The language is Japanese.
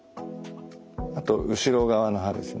あと後ろ側の歯ですね。